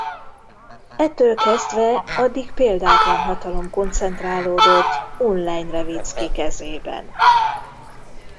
Ettől kezdve addig példátlan hatalom koncentrálódott Ullein-Reviczky kezében.